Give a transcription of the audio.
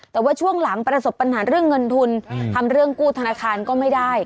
แต่ว่าช่วงหลังประสบปัญหาเรื่องเงินทุนทำเรื่องกู้ธนาคารก็ไม่ได้